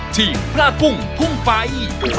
พระกุ้งพุ่งไฟ